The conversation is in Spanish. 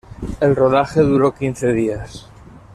El rodaje duró quince días.